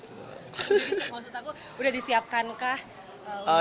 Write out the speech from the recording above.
maksud aku udah disiapkankah